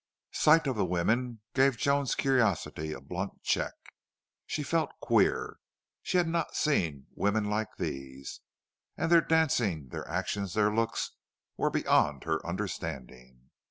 Sight of the women gave Joan's curiosity a blunt check. She felt queer. She had not seen women like these, and their dancing, their actions, their looks, were beyond her understanding.